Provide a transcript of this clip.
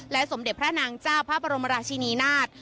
สมเด็จพระนางเจ้าพระบรมราชินีนาฏ